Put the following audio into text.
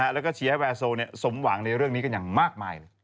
แล้วก็เชียร์แวร์โซสมหวังในเรื่องนี้กันอย่างมากมายเลย